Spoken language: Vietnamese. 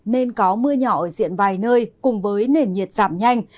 nên có mưa nhỏ ở diện vài nơi cùng với nền nhiệt giảm nhanh